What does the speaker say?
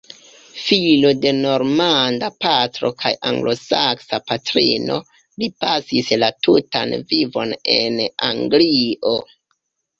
Filo de normanda patro kaj anglosaksa patrino, li pasis la tutan vivon en Anglio.